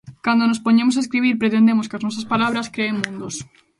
Cando nos poñemos a escribir pretendemos que as nosas palabras creen mundos.